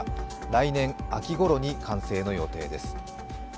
来年秋頃に完成の予定です。